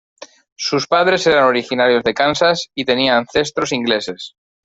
Sus padres eran originarios de Kansas y tenía ancestros ingleses.